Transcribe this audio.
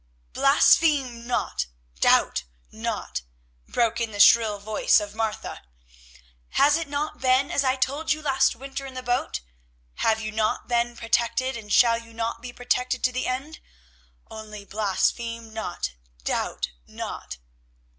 "Blaspheme not, doubt not!" broke in the shrill voice of Martha. "Has it not been as I told you last winter in the boat? Have you not been protected, and shall you not be protected to the end? Only blaspheme not, doubt not!"